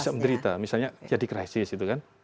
bisa menderita misalnya jadi krisis itu kan